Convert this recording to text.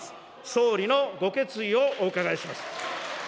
総理のご決意をお伺いします。